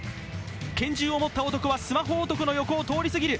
拳銃を持った男はスマホ男の横を通りすぎる。